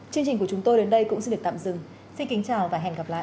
chương trình của chúng tôi đến đây cũng xin được tạm dừng xin kính chào và hẹn gặp lại